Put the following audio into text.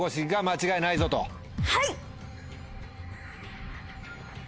はい！